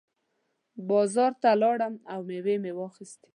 بازار ته لاړم او مېوې مې واخېستې.